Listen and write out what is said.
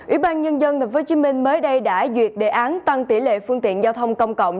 ủy ban nhân dân tp hcm mới đây đã duyệt đề án tăng tỷ lệ phương tiện giao thông công cộng